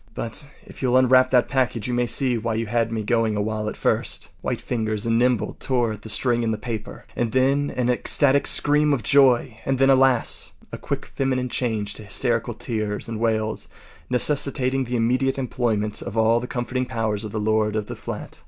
But if you’ll unwrap that package you may see why you had me going a while at first.” White fingers and nimble tore at the string and paper. And then an ecstatic scream of joy; and then, alas! a quick feminine change to hysterical tears and wails, necessitating the immediate employment of all the comforting powers of the lord of the flat.